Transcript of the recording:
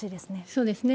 そうですね。